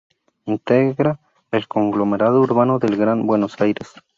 Integra el conglomerado urbano del Gran Buenos Aires.